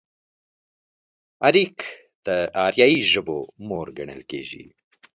اريک د اريايي ژبو مور ګڼل کېږي.